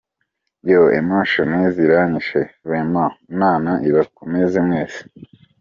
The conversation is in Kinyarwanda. Yooo emotion ziranyishe vraiment Imana ibakomeze mwese.